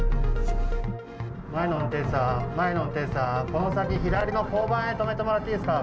前の運転手さん、前の運転手さん、この先、左の交番へ止めてもらっていいですか。